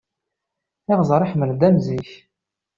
Iɣẓer iḥemmel-d am zik.